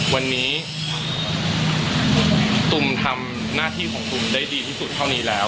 วันนี้ตุมทำหน้าที่ของตุ๋มได้ดีที่สุดเท่านี้แล้ว